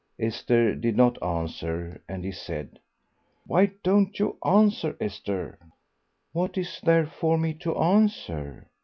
Esther did not answer, and he said, "Why don't you answer, Esther?" "What is there for me to answer?